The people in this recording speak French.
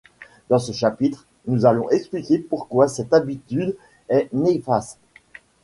Dans ce chapitre, nous allons expliquer pourquoi cette habitude est néfaste.